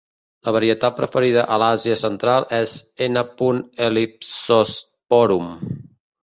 La varietat preferida a l'Àsia central es "N. ellipsosporum".